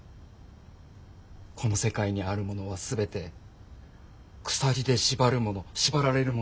この世界にあるものは全て鎖で縛るもの縛られるものだけだ。